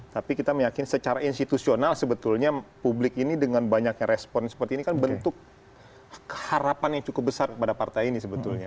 tapi kita meyakini secara institusional sebetulnya publik ini dengan banyaknya respon seperti ini kan bentuk harapan yang cukup besar kepada partai ini sebetulnya